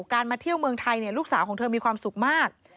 มาเที่ยวเมืองไทยลูกสาวของเธอมีความสุขมาก